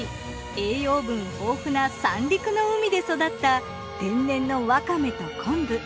栄養分豊富な三陸の海で育った天然のわかめと昆布。